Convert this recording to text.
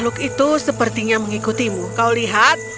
teluk itu sepertinya mengikutimu kau lihat